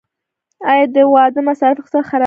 آیا د واده مصارف اقتصاد خرابوي؟